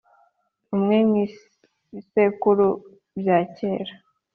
umwe mu bisekuru bya kera